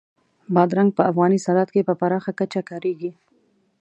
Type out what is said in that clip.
بادرنګ په افغاني سالاد کې په پراخه کچه کارېږي.